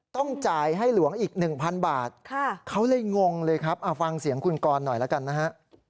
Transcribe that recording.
ต้องจ่ายให้หลวงอีก๑๐๐บาทเขาเลยงงเลยครับฟังเสียงคุณกรหน่อยแล้วกันนะฮะ